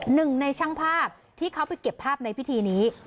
หนึ่งในช่างภาพที่เขาไปเก็บภาพในพิธีนี้